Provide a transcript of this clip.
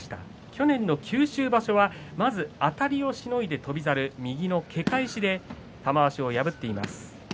去年の九州場所はまず、あたりをしのいだ翔猿右のけ返しで玉鷲を破っています。